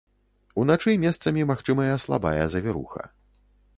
Уначы месцамі магчымая слабая завіруха.